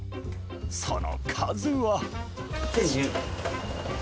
その数は。